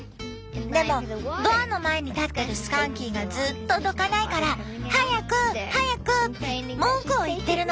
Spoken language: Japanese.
でもドアの前に立ってるスカンキーがずっとどかないから「早く早く」って文句を言ってるの。